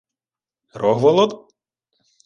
— Рогволод?